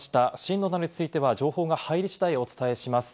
震度などについては情報が入り次第お伝えします。